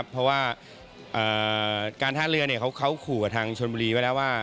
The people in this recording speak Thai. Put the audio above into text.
เพราะว่าการท่าเรือเขาขู่กับทางชนบุรีไว้แล้วว่า